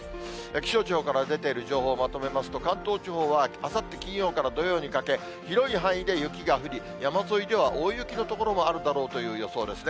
気象庁から出ている情報をまとめますと、関東地方はあさって金曜から土曜にかけ、広い範囲で雪が降り、山沿いでは大雪の所もあるだろうという予想ですね。